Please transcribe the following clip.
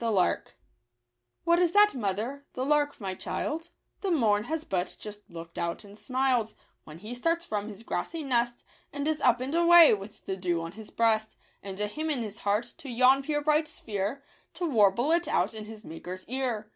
©! )e Earfe. What is that, mother? The lark, my child ! The morn has but just look'd out and smiled When he starts from his grassy nest, And is up and away, with the dew on his breast And a hymn in his heart, to yon pure bright sphere, To warble it out in his Maker's ear